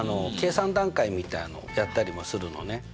計算段階みたいのをやったりもするのね。